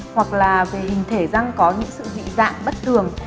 hoặc là về hình thể răng có những sự dị dạng bất thường